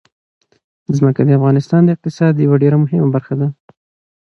ځمکه د افغانستان د اقتصاد یوه ډېره مهمه برخه ده.